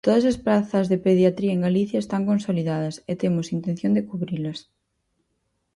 Todas as prazas de Pediatría en Galicia están consolidadas, e temos intención de cubrilas.